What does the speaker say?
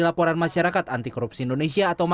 apa yang dimaksud beliau